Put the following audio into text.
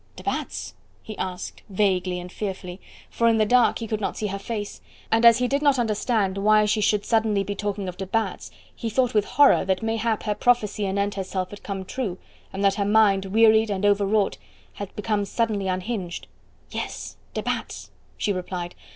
"De Batz?" he asked vaguely and fearfully, for in the dark he could not see her face, and as he did not understand why she should suddenly be talking of de Batz he thought with horror that mayhap her prophecy anent herself had come true, and that her mind wearied and over wrought had become suddenly unhinged. "Yes, de Batz," she replied.